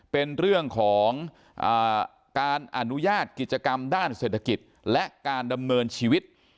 เป็นเรื่องของการอนุญาตกิจกรรมด้านเศรษฐกิจและการดำเนินชีวิต